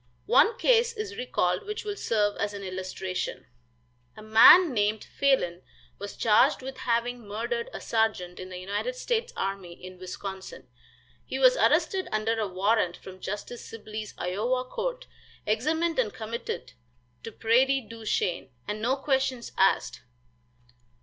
One case is recalled which will serve as an illustration. A man named Phalen was charged with having murdered a sergeant in the United States army in Wisconsin. He was arrested under a warrant from Justice Sibley's Iowa court, examined and committed to Prairie du Chien, and no questions asked.